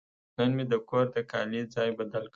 نن مې د کور د کالي ځای بدل کړ.